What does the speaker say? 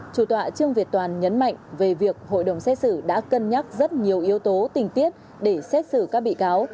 chủ tọa trương việt toàn nhấn mạnh về việc hội đồng xét xử đã cân nhắc rất nhiều yếu tố tình tiết để xét xử các bị cáo